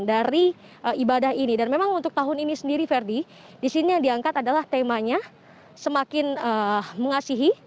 dari ibadah ini dan memang untuk tahun ini sendiri verdi di sini yang diangkat adalah temanya semakin mengasihi